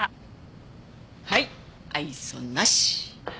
はい愛想なし。